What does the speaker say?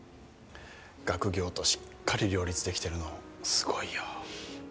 学業としっかり両立できてるのすごいよ。